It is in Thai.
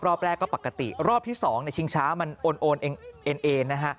รอบแรกก็ปกติรอบที่๒ชิงช้ามันโอนเอ็นนะฮะ